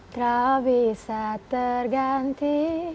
tak bisa terganti